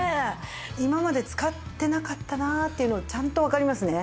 今まで使ってなかったなっていうのちゃんとわかりますね。